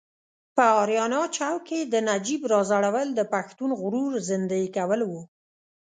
په اریانا چوک کې د نجیب راځړول د پښتون غرور زیندۍ کول و.